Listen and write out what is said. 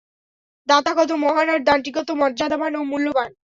দাতা কতো মহান আর দানটি কতো মর্যাদাবান ও মূল্যবান।